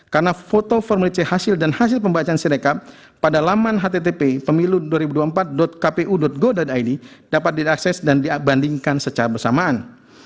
karena foto formulir hasil dan hasil pembacaan sirekap pada laman http pemilu dua ribu dua puluh empat kpu go id dapat diakses dan dibandingkan secara bersamaan